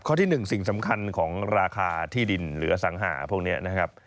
ที่๑สิ่งสำคัญของราคาที่ดินหรือสังหาพวกนี้นะครับ